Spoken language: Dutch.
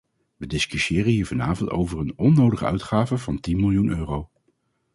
We discussiëren hier vanavond over een onnodige uitgave van tien miljoen euro.